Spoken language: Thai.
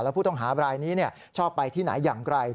ผู้ต้องหาบรายนี้ชอบไปที่ไหนอย่างไร